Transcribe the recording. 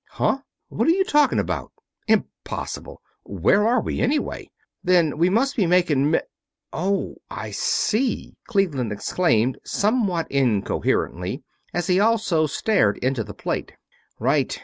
"Huh? What are you talking about? Impossible! Where are we, anyway? Then we must be making mil.... Oh, I see!" Cleveland exclaimed, somewhat incoherently, as he also stared into the plate. "Right.